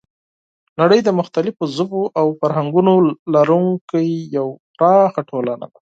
نړۍ د مختلفو ژبو او فرهنګونو لرونکی یوه پراخه ټولنه ده.